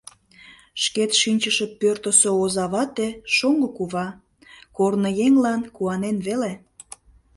Шкет шинчыше пӧртысӧ оза вате — шоҥго кува — корныеҥлан куанен веле.